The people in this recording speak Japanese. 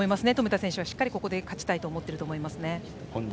冨田選手はしっかりとここで勝ちたいと思ってると思います。